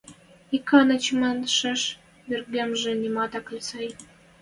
Икӓнӓ чимӓшеш выргемжӹ нимат ак ли сӓй...